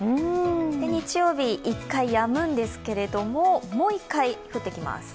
日曜日、一回やむんですけども、もう一回降ってきます。